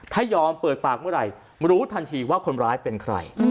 ถ้ายอมเปิดปากเมื่อไหร่รู้ทันทีว่าคนร้ายเป็นใคร